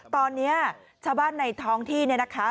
ตอนนี้ชาวบ้านในท้องที่เนี่ยนะคะ